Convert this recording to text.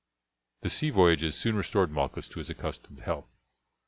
The sea voyages soon restored Malchus to his accustomed health.